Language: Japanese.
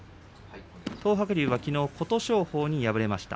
東白龍はきのう琴勝峰に敗れました。